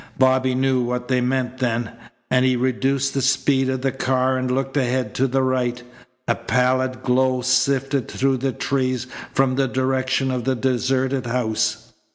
Bobby knew what they meant then, and he reduced the speed of the car and looked ahead to the right. A pallid glow sifted through the trees from the direction of the deserted house.